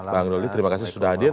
bang doli terima kasih sudah hadir